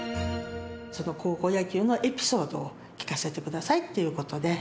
ちょっと高校野球のエピソードを聞かせてくださいっていうことで。